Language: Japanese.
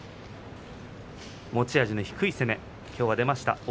持ち味の低い攻めがきょうは出ました